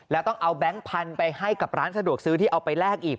แล้วต้องเอาแบงค์พันธุ์ไปให้กับร้านสะดวกซื้อที่เอาไปแลกอีก